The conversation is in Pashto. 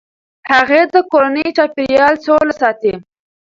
هغې د کورني چاپیریال سوله ساتي.